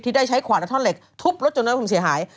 ได้ใช้ขวานและท่อนเหล็กทุบรถจนนั้นคุณเสียหาย